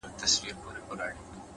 وخت د ژمنو صداقت ښکاره کوي’